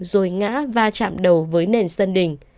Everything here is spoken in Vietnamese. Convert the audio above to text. rồi ngã và chạm đầu với nền sân đỉnh